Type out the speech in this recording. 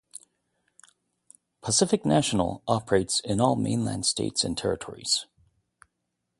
Pacific National operates in all mainland states and territories.